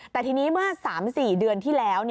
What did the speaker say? แต่ทีนี้เมื่อ๓๔เดือนที่แล้ว